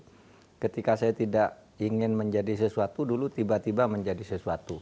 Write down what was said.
jadi ketika saya tidak ingin menjadi sesuatu dulu tiba tiba menjadi sesuatu